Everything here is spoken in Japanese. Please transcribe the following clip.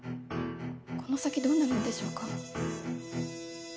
この先どうなるんでしょうか？